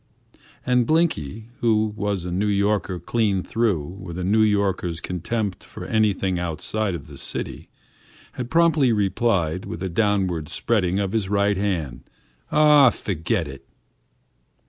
And Blinky, who was a New Yorker clear through with a New Yorker's contempt for anything outside of the city, had promptly replied with a downward spreading of his right hand, "Aw fu'git it!"